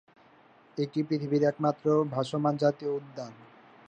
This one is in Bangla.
এটি পৃথিবীর একমাত্র ভাসমান জাতীয় উদ্যান।